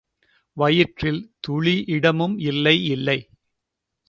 வயிற்றில்—துளி இடமும் இல்லை, இல்லை!